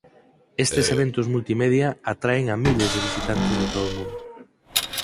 Estes eventos multimedia atraen a miles de visitantes de todo o mundo.